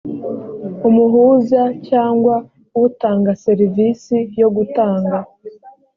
umuhuza cyangwa utanga serivisi yo gutanga